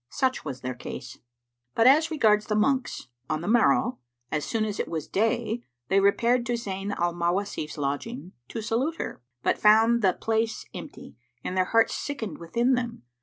Such was their case; but as regards the monks, on the morrow, as soon as it was day they repaired to Zayn al Mawasif's lodging, to salute her, but found the place empty, and their hearts sickened within them.